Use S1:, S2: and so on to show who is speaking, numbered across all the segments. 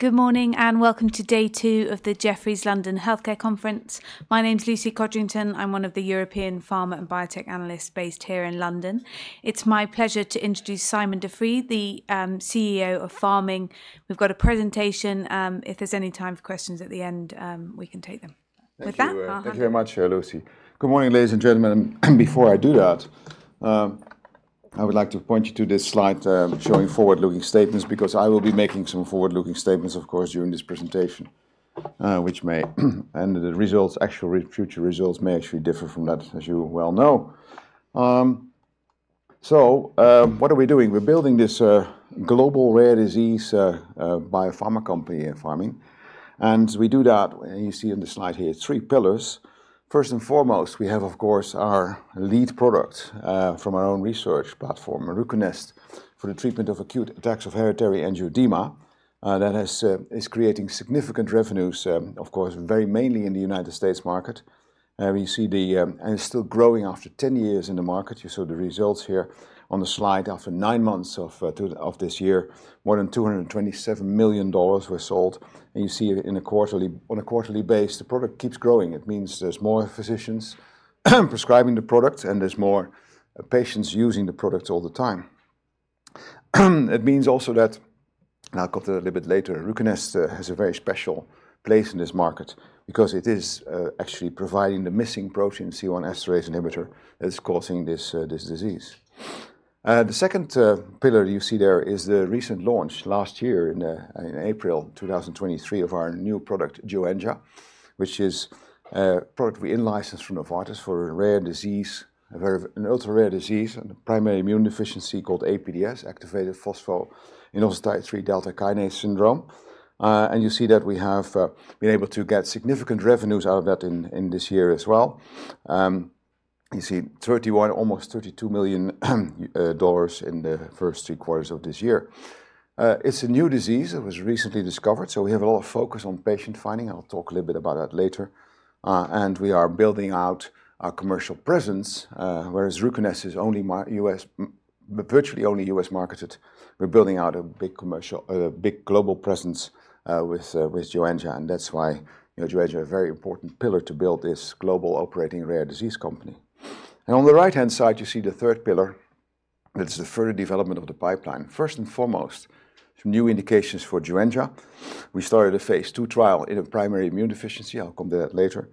S1: Good morning and welcome to day two of the Jefferies London Healthcare Conference. My name's Lucy Codrington. I'm one of the European Pharma and Biotech Analysts based here in London. It's my pleasure to introduce Sijmen de Vries, the CEO of Pharming. We've got a presentation. If there's any time for questions at the end, we can take them. With that.
S2: Thank you very much, Lucy. Good morning, ladies and gentlemen. And before I do that, I would like to point you to this slide showing forward-looking statements, because I will be making some forward-looking statements, of course, during this presentation, which may, and the results, actual future results may actually differ from that, as you well know. So what are we doing? We're building this global rare disease biopharma company in Pharming. And we do that, as you see on the slide here, three pillars. First and foremost, we have, of course, our lead product from our own research platform, Ruconest, for the treatment of acute attacks of hereditary angioedema. That is creating significant revenues, of course, very mainly in the United States market. And it's still growing after 10 years in the market. You saw the results here on the slide. After nine months of this year, more than $227 million were sold. You see it on a quarterly basis. The product keeps growing. It means there's more physicians prescribing the product, and there's more patients using the product all the time. It means also that, and I'll come to that a little bit later, Ruconest has a very special place in this market, because it is actually providing the missing protein, C1 esterase inhibitor, that is causing this disease. The second pillar you see there is the recent launch last year in April 2023 of our new product, Joenja, which is a product we licensed from Novartis for a rare disease, an ultra-rare disease, and a primary immune deficiency called APDS, activated phosphoinositide 3-kinase delta syndrome. You see that we have been able to get significant revenues out of that in this year as well. You see $31 million, almost $32 million in the first three quarters of this year. It's a new disease that was recently discovered, so we have a lot of focus on patient finding. I'll talk a little bit about that later, and we are building out our commercial presence, whereas Ruconest is virtually only U.S. marketed. We're building out a big commercial, a big global presence with Joenja. And that's why Joenja is a very important pillar to build this global operating rare disease company. And on the right-hand side, you see the third pillar. That's the further development of the pipeline. First and foremost, some new indications for Joenja. We started a phase II trial in a primary immune deficiency. I'll come to that later.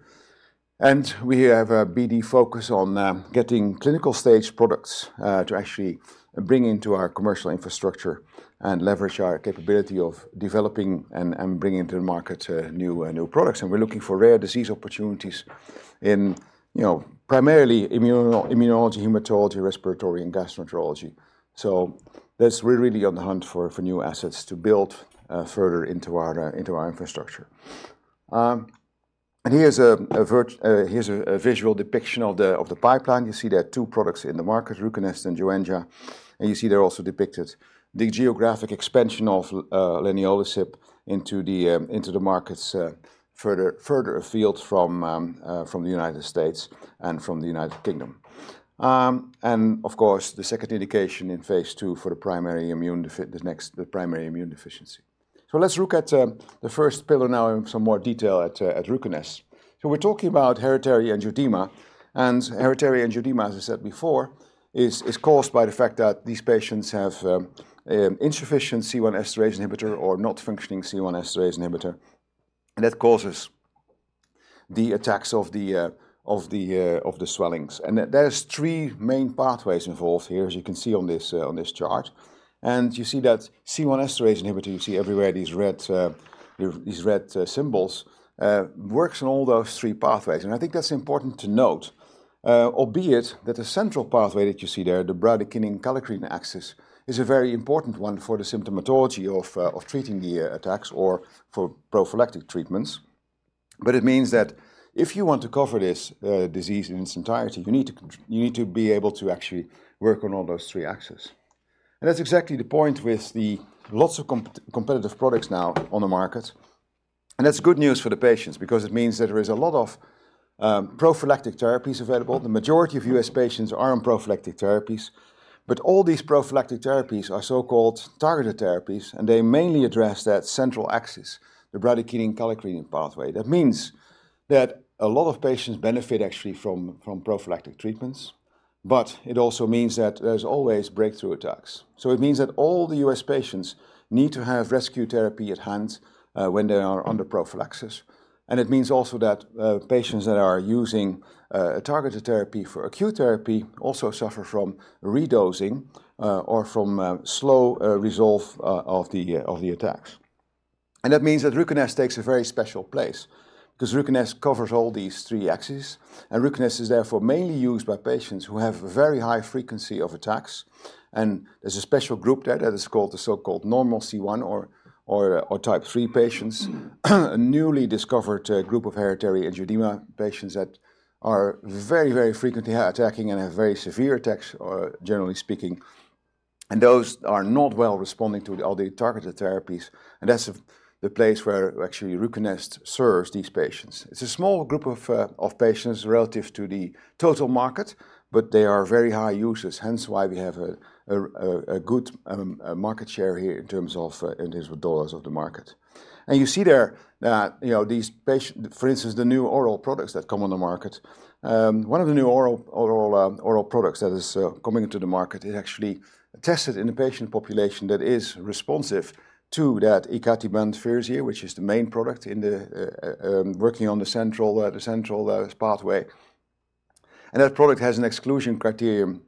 S2: We have a BD focus on getting clinical stage products to actually bring into our commercial infrastructure and leverage our capability of developing and bringing to the market new products. We're looking for rare disease opportunities in primarily immunology, hematology, respiratory, and gastroenterology. That's where we're really on the hunt for new assets to build further into our infrastructure. Here's a visual depiction of the pipeline. You see there are two products in the market, Ruconest and Joenja. You see there also depicted the geographic expansion of leniolisib into the markets, further afield from the United States and from the United Kingdom. Of course, the second indication in phase II for the primary immune deficiency. Let's look at the first pillar now in some more detail at Ruconest. We're talking about hereditary angioedema. And hereditary angioedema, as I said before, is caused by the fact that these patients have insufficient C1 esterase inhibitor or not functioning C1 esterase inhibitor. And that causes the attacks of the swellings. And there's three main pathways involved here, as you can see on this chart. And you see that C1 esterase inhibitor, you see everywhere these red symbols, works in all those three pathways. And I think that's important to note, albeit that the central pathway that you see there, the bradykinin-kallikrein axis is a very important one for the symptomatology of treating the attacks or for prophylactic treatments. But it means that if you want to cover this disease in its entirety, you need to be able to actually work on all those three axes. And that's exactly the point with the lots of competitive products now on the market. And that's good news for the patients, because it means that there is a lot of prophylactic therapies available. The majority of U.S. patients are on prophylactic therapies. But all these prophylactic therapies are so-called targeted therapies, and they mainly address that central axis, the bradykinin-kallikrein pathway. That means that a lot of patients benefit actually from prophylactic treatments, but it also means that there's always breakthrough attacks. So it means that all the US patients need to have rescue therapy at hand when they are under prophylaxis. And it means also that patients that are using targeted therapy for acute therapy also suffer from redosing or from slow resolve of the attacks. And that means that Ruconest takes a very special place, because Ruconest covers all these three axes. And Ruconest is therefore mainly used by patients who have a very high frequency of attacks. There's a special group there that is called the so-called normal C1 or type III patients, a newly discovered group of hereditary angioedema patients that are very, very frequently attacking and have very severe attacks, generally speaking. Those are not well responding to all the targeted therapies. That's the place where actually Ruconest serves these patients. It's a small group of patients relative to the total market, but they are very high users. Hence why we have a good market share here in terms of dollars of the market. You see there that these patients, for instance, the new oral products that come on the market, one of the new oral products that is coming into the market is actually tested in a patient population that is responsive to that icatibant Firazyr, which is the main product working on the central pathway. That product has an exclusion criterion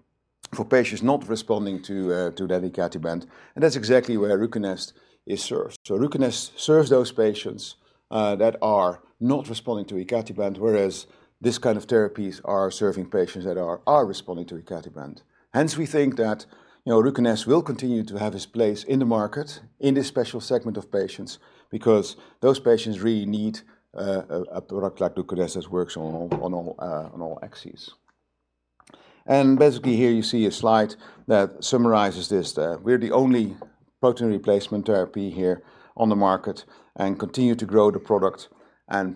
S2: for patients not responding to that icatibant. That's exactly where Ruconest is served. Ruconest serves those patients that are not responding to icatibant, whereas this kind of therapies are serving patients that are responding to icatibant. Hence, we think that Ruconest will continue to have its place in the market in this special segment of patients, because those patients really need a product like Ruconest that works on all axes. Basically here you see a slide that summarizes this. We're the only protein replacement therapy here on the market and continue to grow the product.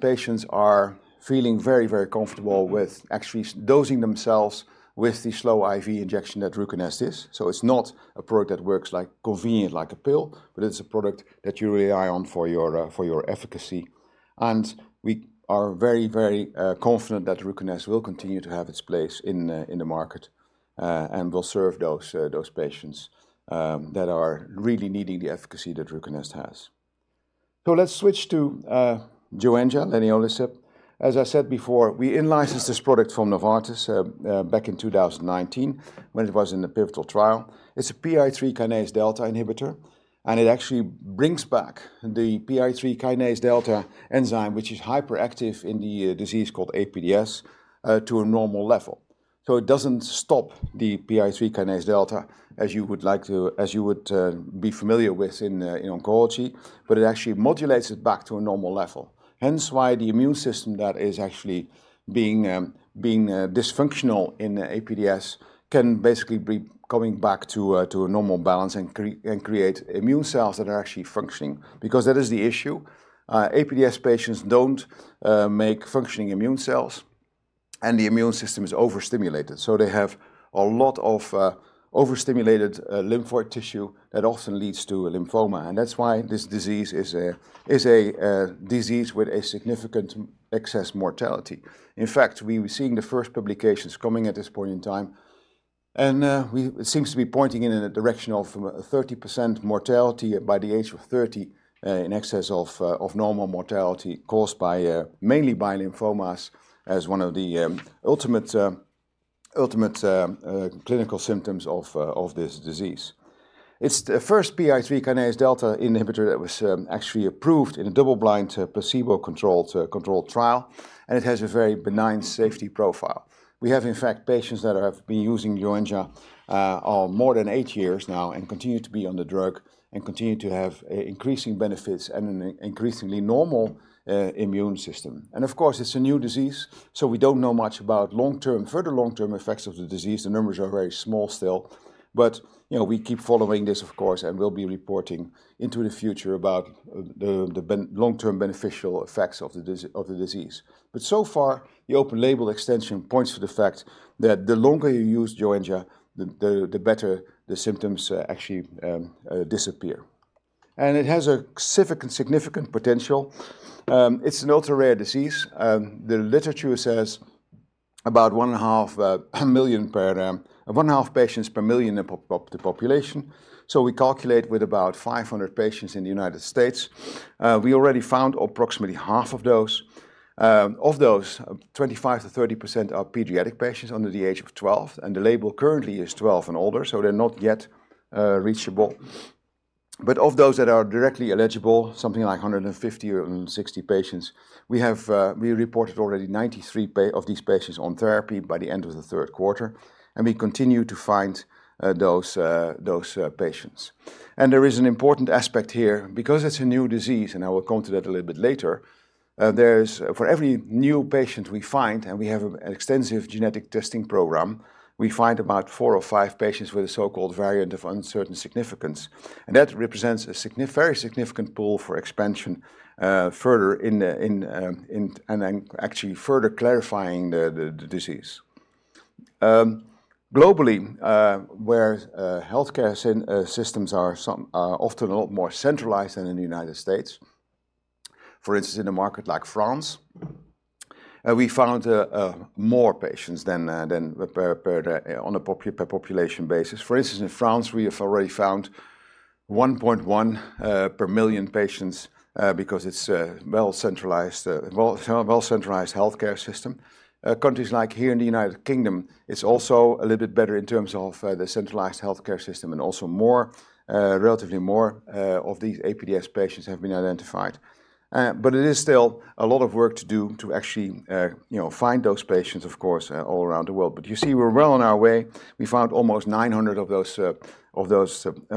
S2: Patients are feeling very, very comfortable with actually dosing themselves with the slow IV injection that Ruconest is. It's not a product that works conveniently like a pill, but it's a product that you rely on for your efficacy. We are very, very confident that Ruconest will continue to have its place in the market and will serve those patients that are really needing the efficacy that Ruconest has. Let's switch to Joenja, leniolisib. As I said before, we licensed this product from Novartis back in 2019 when it was in the pivotal trial. It's a PI3K delta inhibitor. And it actually brings back the PI3K delta enzyme, which is hyperactive in the disease called APDS, to a normal level. It doesn't stop the PI3K delta, as you would like to, as you would be familiar with in oncology, but it actually modulates it back to a normal level. Hence why the immune system that is actually being dysfunctional in APDS can basically be coming back to a normal balance and create immune cells that are actually functioning, because that is the issue. APDS patients don't make functioning immune cells, and the immune system is overstimulated, so they have a lot of overstimulated lymphoid tissue that often leads to lymphoma, and that's why this disease is a disease with a significant excess mortality. In fact, we were seeing the first publications coming at this point in time, and it seems to be pointing in a direction of 30% mortality by the age of 30 in excess of normal mortality caused mainly by lymphomas as one of the ultimate clinical symptoms of this disease. It's the first PI3 kinase delta inhibitor that was actually approved in a double-blind placebo-controlled trial, and it has a very benign safety profile. We have, in fact, patients that have been using Joenja more than eight years now and continue to be on the drug and continue to have increasing benefits and an increasingly normal immune system. Of course, it's a new disease. We don't know much about long-term, further long-term effects of the disease. The numbers are very small still. We keep following this, of course, and we'll be reporting into the future about the long-term beneficial effects of the disease. So far, the open label extension points to the fact that the longer you use Joenja, the better the symptoms actually disappear. It has a significant potential. It's an ultra-rare disease. The literature says about one and a half patients per million in the population. We calculate with about 500 patients in the United States. We already found approximately half of those. Of those, 25%-30% are pediatric patients under the age of 12. The label currently is 12 and older, so they're not yet reachable. But of those that are directly eligible, something like 150 or 160 patients, we reported already 93 of these patients on therapy by the end of the third quarter, and we continue to find those patients, and there is an important aspect here, because it's a new disease, and I will come to that a little bit later. For every new patient we find, and we have an extensive genetic testing program, we find about four or five patients with a so-called variant of uncertain significance, and that represents a very significant pool for expansion further in and actually further clarifying the disease. Globally, where healthcare systems are often a lot more centralized than in the United States, for instance, in a market like France, we found more patients than on a population basis. For instance, in France, we have already found 1.1 per million patients because it's a well-centralized healthcare system. Countries like here in the United Kingdom, it's also a little bit better in terms of the centralized healthcare system, and also relatively more of these APDS patients have been identified, but it is still a lot of work to do to actually find those patients, of course, all around the world, but you see, we're well on our way. We found almost 900 of those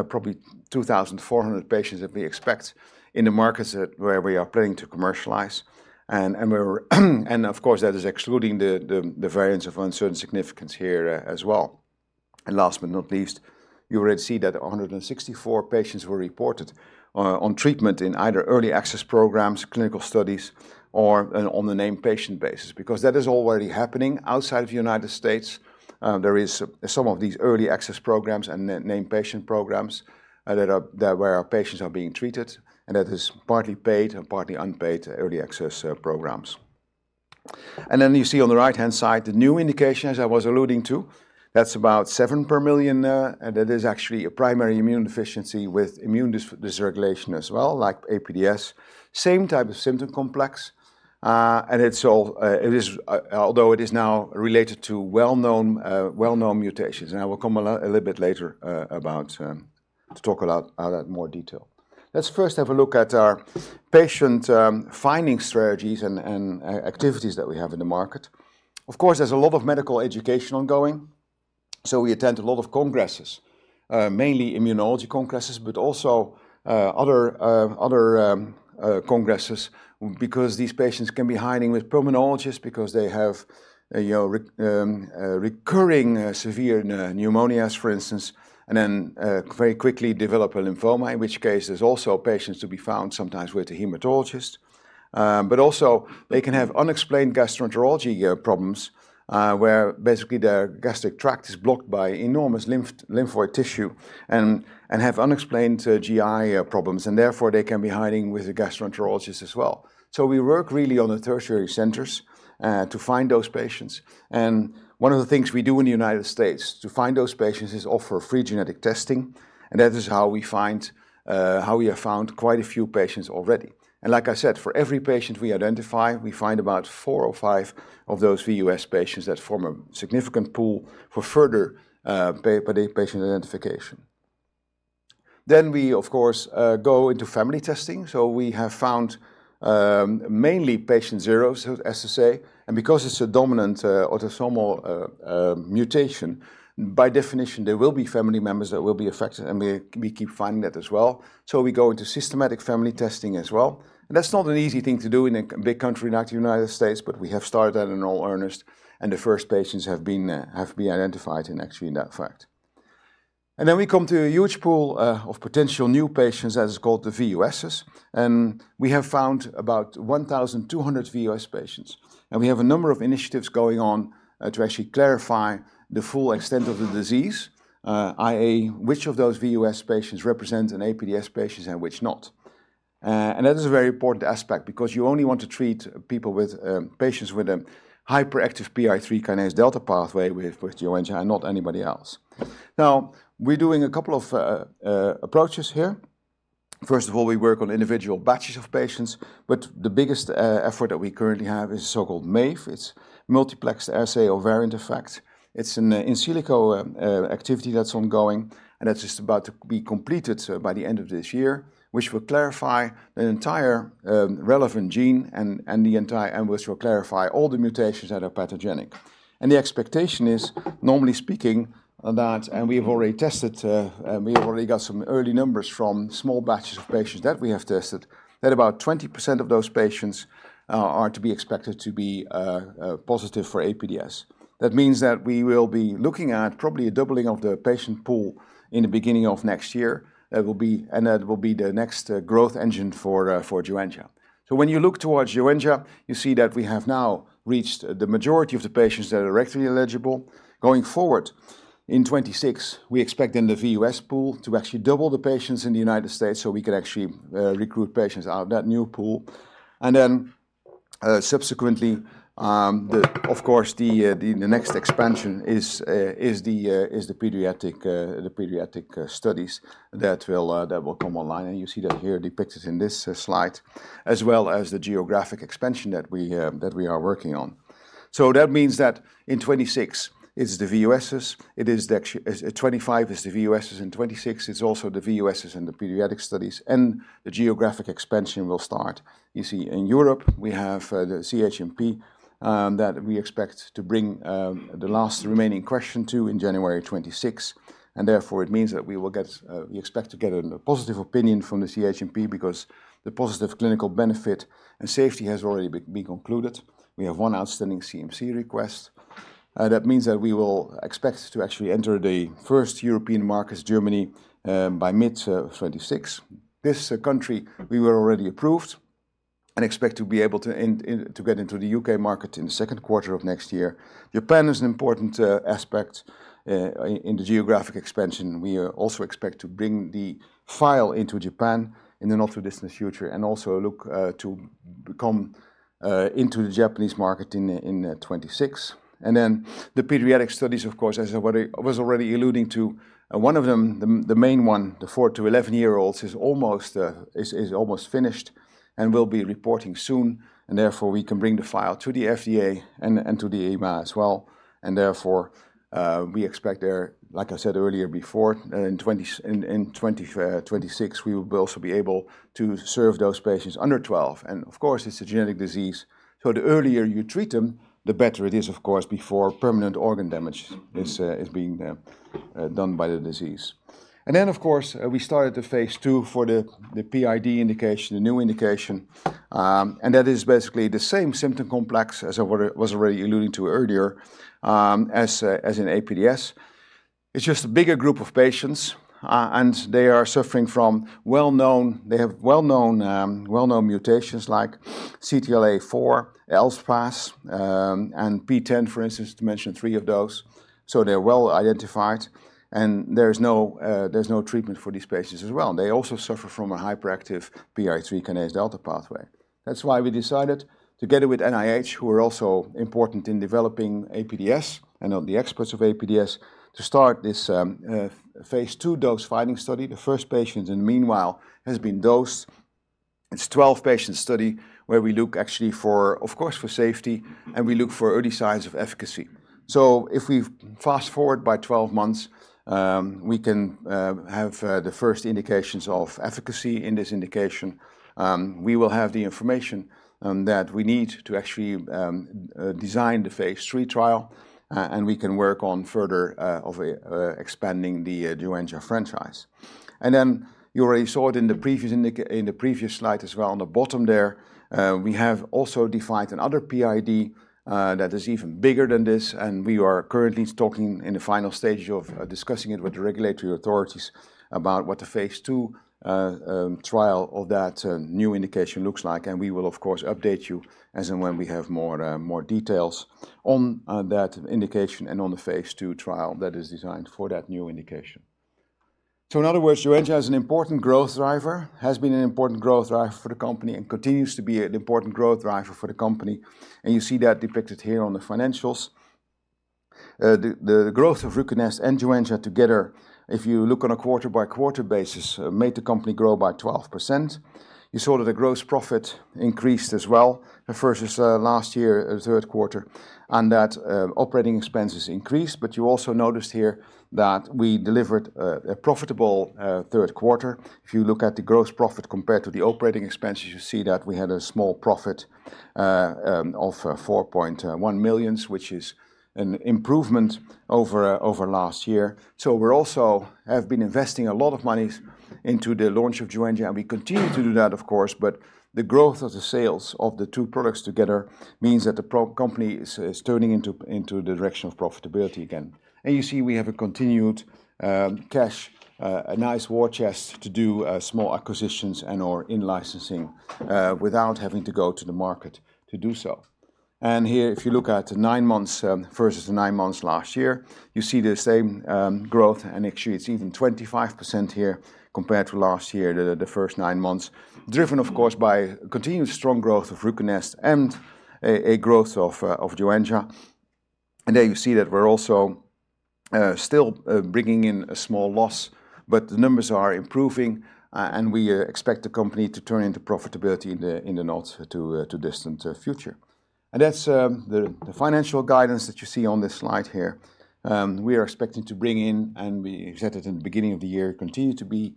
S2: probably 2,400 patients that we expect in the markets where we are planning to commercialize, and of course, that is excluding the variants of uncertain significance here as well. And last but not least, you already see that 164 patients were reported on treatment in either early access programs, clinical studies, or on the named patient basis, because that is already happening outside of the United States. There are some of these early access programs and named patient programs where our patients are being treated. And that is partly paid and partly unpaid early access programs. And then you see on the right-hand side, the new indication, as I was alluding to, that's about seven per million. And that is actually a primary immune deficiency with immune dysregulation as well, like APDS, same type of symptom complex. And although it is now related to well-known mutations, and I will come a little bit later to talk about that in more detail. Let's first have a look at our patient finding strategies and activities that we have in the market. Of course, there's a lot of medical education ongoing, so we attend a lot of congresses, mainly immunology congresses, but also other congresses, because these patients can be hiding with pulmonologists because they have recurring severe pneumonias, for instance, and then very quickly develop a lymphoma, in which case there's also patients to be found sometimes with a hematologist, but also they can have unexplained gastroenterology problems where basically their gastric tract is blocked by enormous lymphoid tissue and have unexplained GI problems, and therefore they can be hiding with a gastroenterologist as well, so we work really on the tertiary centers to find those patients, and one of the things we do in the United States to find those patients is offer free genetic testing, and that is how we have found quite a few patients already. And like I said, for every patient we identify, we find about four or five of those VUS patients that form a significant pool for further patient identification. Then we, of course, go into family testing. So we have found mainly patient zeros, as they say. And because it's a dominant autosomal mutation, by definition, there will be family members that will be affected. And we keep finding that as well. So we go into systematic family testing as well. And that's not an easy thing to do in a big country like the United States, but we have started that in all earnest. And the first patients have been identified in actual fact. And then we come to a huge pool of potential new patients that is called the VUSs. And we have found about 1,200 VUS patients. We have a number of initiatives going on to actually clarify the full extent of the disease, i.e., which of those VUS patients represent an APDS patient and which not. That is a very important aspect, because you only want to treat patients with a hyperactive PI3 kinase delta pathway with Joenja and not anybody else. Now, we're doing a couple of approaches here. First of all, we work on individual batches of patients. The biggest effort that we currently have is so-called MAVE. It's multiplexed assay of variant effect. It's an in silico activity that's ongoing. That's just about to be completed by the end of this year, which will clarify the entire relevant gene and which will clarify all the mutations that are pathogenic. The expectation is, normally speaking, and we have already tested, we have already got some early numbers from small batches of patients that we have tested, that about 20% of those patients are to be expected to be positive for APDS. That means that we will be looking at probably a doubling of the patient pool in the beginning of next year. That will be the next growth engine for Joenja. When you look towards Joenja, you see that we have now reached the majority of the patients that are directly eligible. Going forward, in 2026, we expect in the VUS pool to actually double the patients in the United States so we can actually recruit patients out of that new pool. Then subsequently, of course, the next expansion is the pediatric studies that will come online. And you see that here depicted in this slide, as well as the geographic expansion that we are working on. So that means that in 2026, it's the VUSs. It is 2025 is the VUSs. In 2026, it's also the VUSs and the pediatric studies. And the geographic expansion will start. You see, in Europe, we have the CHMP that we expect to bring the last remaining question to in January 2026. And therefore, it means that we expect to get a positive opinion from the CHMP, because the positive clinical benefit and safety has already been concluded. We have one outstanding CMC request. That means that we will expect to actually enter the first European market, Germany, by mid-2026. This country, we were already approved and expect to be able to get into the UK market in the second quarter of next year. Japan is an important aspect in the geographic expansion. We also expect to bring the file into Japan in the not-too-distant future and also look to come into the Japanese market in 2026. And then the pediatric studies, of course, as I was already alluding to, one of them, the main one, the four to 11-year-olds, is almost finished and will be reporting soon. And therefore, we can bring the file to the FDA and to the EMA as well. And therefore, we expect there, like I said earlier before, in 2026, we will also be able to serve those patients under 12. And of course, it's a genetic disease. So the earlier you treat them, the better it is, of course, before permanent organ damage is being done by the disease. And then, of course, we started the phase II for the PID indication, the new indication. And that is basically the same symptom complex as I was already alluding to earlier, as in APDS. It's just a bigger group of patients. And they are suffering from well-known, they have well-known mutations like CTLA-4, ELFPAS, and PTEN, for instance, to mention three of those. So they're well identified. And there's no treatment for these patients as well. And they also suffer from a hyperactive PI3 kinase delta pathway. That's why we decided, together with NIH, who are also important in developing APDS and are the experts of APDS, to start this phase II dose finding study. The first patient in the meanwhile has been dosed. It's a 12-patient study where we look actually for, of course, for safety, and we look for early signs of efficacy. So if we fast forward by 12 months, we can have the first indications of efficacy in this indication. We will have the information that we need to actually design the phase III trial. And we can work on further expanding the Joenja franchise. And then you already saw it in the previous slide as well on the bottom there. We have also defined another PID that is even bigger than this. And we are currently talking in the final stage of discussing it with the regulatory authorities about what the phase II trial of that new indication looks like. And we will, of course, update you as and when we have more details on that indication and on the phase II trial that is designed for that new indication. So in other words, Joenja has an important growth driver, has been an important growth driver for the company, and continues to be an important growth driver for the company. And you see that depicted here on the financials. The growth of Ruconest and Joenja together, if you look on a quarter-by-quarter basis, made the company grow by 12%. You saw that the gross profit increased as well versus last year, third quarter, and that operating expenses increased. But you also noticed here that we delivered a profitable third quarter. If you look at the gross profit compared to the operating expenses, you see that we had a small profit of $4.1 million, which is an improvement over last year. We also have been investing a lot of money into the launch of Joenja. We continue to do that, of course. But the growth of the sales of the two products together means that the company is turning into the direction of profitability again. You see we have a continued cash, a nice war chest to do small acquisitions and/or in-licensing without having to go to the market to do so. Here, if you look at the nine months versus the nine months last year, you see the same growth. Actually, it's even 25% here compared to last year, the first nine months, driven, of course, by continued strong growth of Ruconest and a growth of Joenja. There you see that we're also still bringing in a small loss. But the numbers are improving. We expect the company to turn into profitability in the not-too-distant future. That's the financial guidance that you see on this slide here. We are expecting to bring in, and we said it in the beginning of the year, continue to be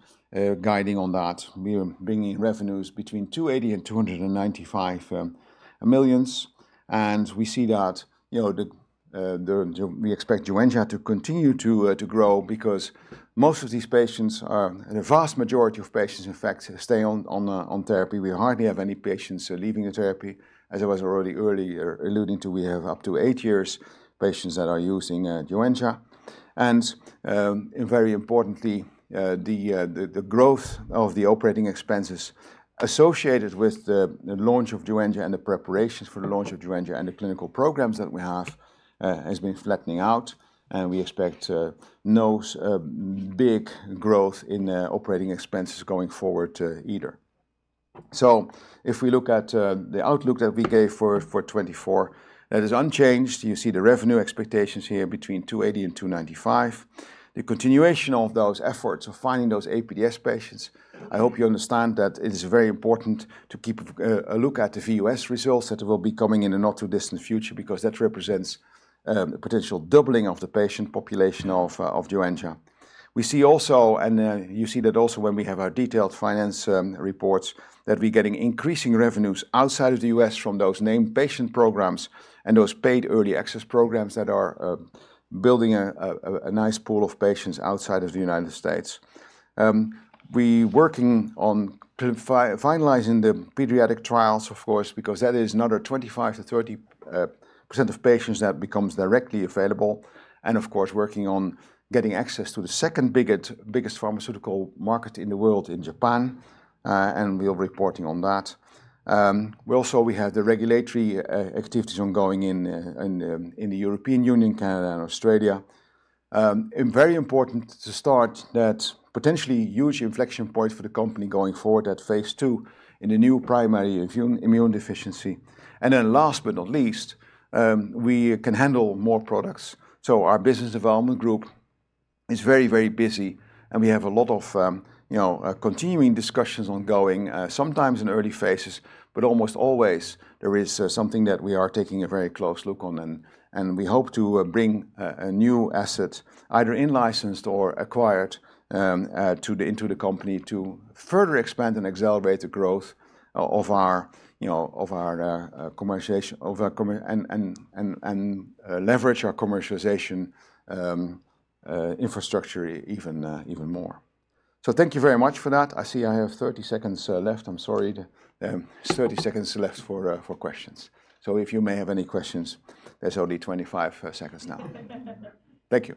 S2: guiding on that. We are bringing in revenues between $280 million and $295 million. We see that we expect Joenja to continue to grow because most of these patients, the vast majority of patients, in fact, stay on therapy. We hardly have any patients leaving the therapy, as I was already earlier alluding to. We have up to eight years' patients that are using Joenja. Very importantly, the growth of the operating expenses associated with the launch of Joenja and the preparations for the launch of Joenja and the clinical programs that we have has been flattening out. We expect no big growth in operating expenses going forward either. If we look at the outlook that we gave for 2024, that is unchanged. You see the revenue expectations here between $280 million and $295 million. The continuation of those efforts of finding those APDS patients. I hope you understand that it is very important to keep a look at the VUS results that will be coming in the not-too-distant future, because that represents a potential doubling of the patient population of Joenja. We see also, and you see that also when we have our detailed finance reports, that we're getting increasing revenues outside of the U.S. from those named patient programs and those paid early access programs that are building a nice pool of patients outside of the United States. We're working on finalizing the pediatric trials, of course, because that is another 25%-30% of patients that becomes directly available, and of course working on getting access to the second biggest pharmaceutical market in the world in Japan, and we're reporting on that. Also, we have the regulatory activities ongoing in the European Union, Canada, and Australia. Very important to start that potentially huge inflection point for the company going forward at phase II in the new primary immune deficiency. And then last but not least, we can handle more products. So our business development group is very, very busy. And we have a lot of continuing discussions ongoing, sometimes in early phases. But almost always, there is something that we are taking a very close look on. And we hope to bring a new asset, either in-licensed or acquired, into the company to further expand and accelerate the growth of our commercialization and leverage our commercialization infrastructure even more. So thank you very much for that. I see I have 30 seconds left. I'm sorry. 30 seconds left for questions. So if you may have any questions, there's only 25 seconds now. Thank you.